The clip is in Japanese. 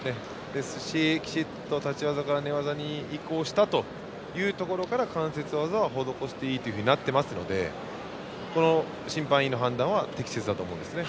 きちっと立ち技から寝技に移行したところから関節技を施していいとなっていますのでこの審判員の判断は適切だと思うんですね。